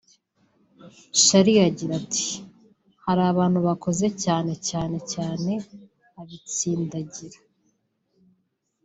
Charly agira ati “Hari abantu bakoze cyane cyane cyane (abitsindagira)